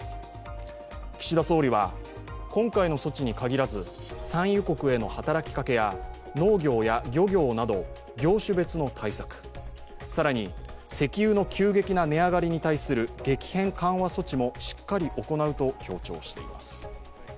岸田総理は、今回の措置に限らず産油国への働きかけや農業や漁業など、業種別の対策、更に石油の急激な値上がりに対する激変緩和措置もしっかり行うと強調しています。